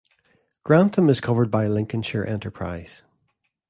Grantham is covered by Lincolnshire Enterprise.